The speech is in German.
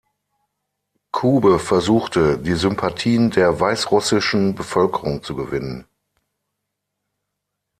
Kube versuchte, die Sympathien der weißrussischen Bevölkerung zu gewinnen.